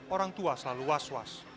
orang tua selalu was was